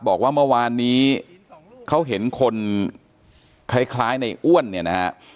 บอกว่าเมื่อวานนี้เขาเห็นคนคล้ายในอ้วนเนี่ยนะฮะ